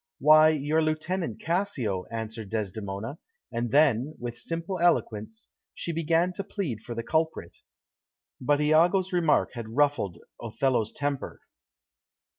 "Why, your lieutenant, Cassio," answered Desdemona; and then, with simple eloquence, she began to plead for the culprit. But Iago's remark had ruffled Othello's temper.